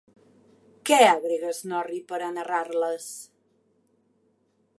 Què agrega Snorri per a narrar-les?